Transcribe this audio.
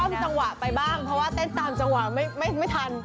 จังหวะไปบ้างเพราะว่าเต้นตามจังหวะไม่ทัน